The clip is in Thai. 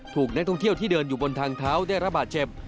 ถูกนักท่องเที่ยวที่เดินอยู่บนทางเท้าได้ระบาดเจ็บ